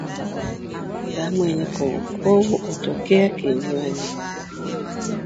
Damu yenye povupovu hutoka kinywani